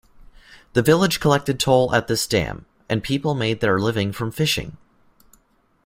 The village collected toll at this dam, and people made their living from fishing.